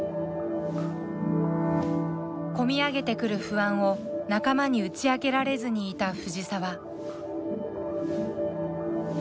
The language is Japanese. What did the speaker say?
込み上げてくる不安を仲間に打ち明けられずにいた藤澤。